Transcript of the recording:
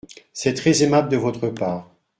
C’est très aimable de votre part.